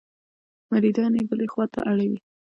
مریدان یې بلې خوا ته اړوي.